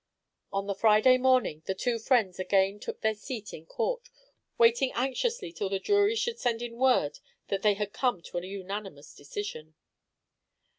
On the Friday morning the two friends again took their seat in court, waiting anxiously till the jury should send in word that they had come to a unanimous decision.